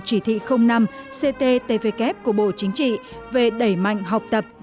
chỉ thị năm cttvk của bộ chính trị về đẩy mạnh học tập